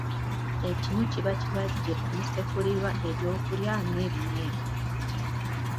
Ekinu kiba kibajje omusekulirwa ebyokulya ng’ebinyeebwa.